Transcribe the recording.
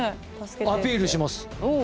アピールします。